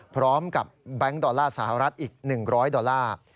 พร้อมกับแบงค์ดอลลาร์สหรัฐอีก๑๐๐ดอลลาร์